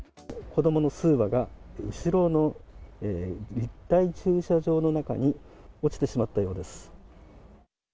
子どもの数羽が、後ろの立体駐車場の中に落ちてしまったようです。